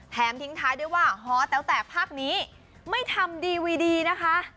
ทิ้งท้ายด้วยว่าฮอแต้วแตกภาคนี้ไม่ทำดีวีดีนะคะ